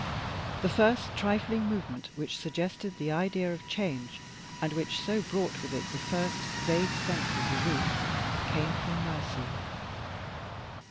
The first trifling movement which suggested the idea of change, and which so brought with it the first vague sense of relief, came from Mercy.